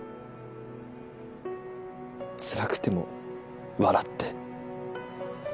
つらくても笑って。